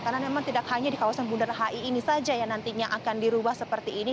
karena memang tidak hanya di kawasan bundarahi ini saja yang nantinya akan dirubah seperti ini